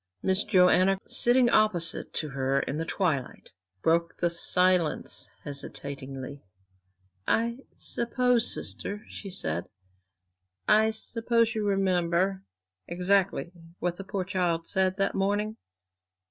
Miss Joanna, sitting opposite to her in the twilight, broke the silence hesitatingly. "I suppose, sister," she said, "I suppose you remember exactly what the poor child said that morning?